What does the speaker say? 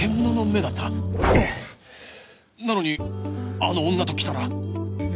なのにあの女ときたら何？